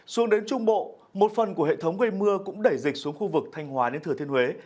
xuống đến trung bộ một phần của hệ thống gây mưa cũng đẩy dịch xuống khu vực thanh hòa đến thừa thiên huế